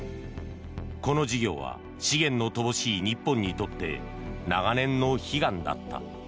この事業は資源の乏しい日本にとって長年の悲願だった。